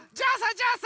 じゃあさ